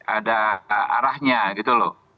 ada arahnya gitu loh